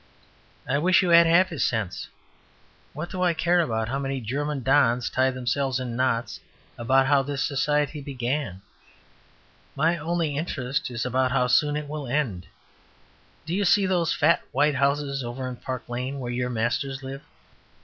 I wish you had half his sense. What do I care how many German dons tie themselves in knots about how this society began? My only interest is about how soon it will end. Do you see those fat white houses over in Park lane, where your masters live?"